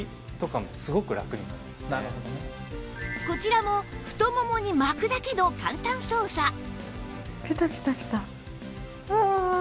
こちらも太ももに巻くだけの簡単操作